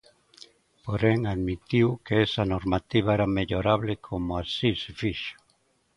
Porén, admitiu que esa normativa era mellorable, como así se fixo.